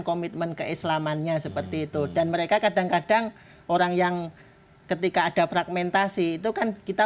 komitmen keislamannya seperti itu dan mereka kadang kadang orang yang ketika ada fragmentasi itu kan kita